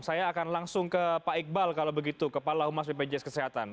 saya akan langsung ke pak iqbal kalau begitu kepala humas bpjs kesehatan